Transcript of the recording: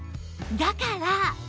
だから